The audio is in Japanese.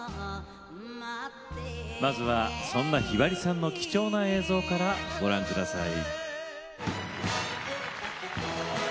まずはそんなひばりさんの貴重な映像からご覧ください。